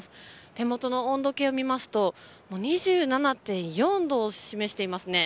手元の温度計を見ますと２７．４度を示していますね。